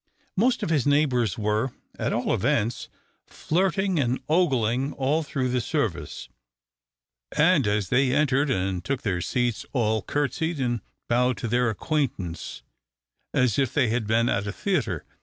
Most of his neighbours were, at all events, flirting and ogling all through the service, and as they entered and took their seats all courtesied and bowed to their acquaintance, as if they had been at a theatre.